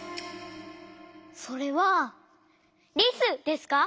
それはリスですか？